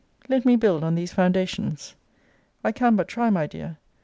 Let me build on these foundations. I can but try, my dear.